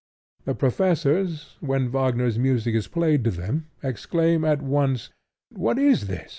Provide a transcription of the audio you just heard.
The professors, when Wagner's music is played to them, exclaim at once "What is this?